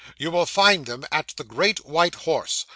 You will find them at the Great White Horse.